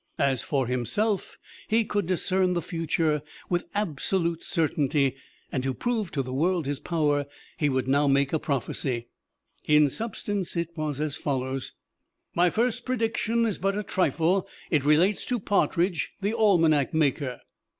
As for himself, he could discern the future with absolute certainty, and to prove to the world his power he would now make a prophecy. In substance, it was as follows: "My first prediction is but a trifle; it relates to Partridge, the almanac maker.